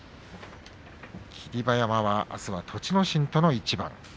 霧馬山は、あすは栃ノ心との一番。